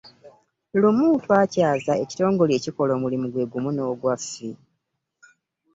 Lumu twakyaza ekitongole ekikola omulimu gwe gumu nga n'ogwaffe.